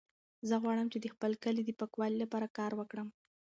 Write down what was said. زه غواړم چې د خپل کلي د پاکوالي لپاره کار وکړم.